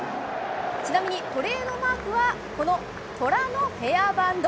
ちなみに、トレードマークはこのトラのヘアバンド。